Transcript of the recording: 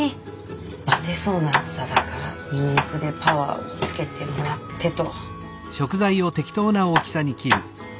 バテそうな暑さだからにんにくでパワーをつけてもらってと。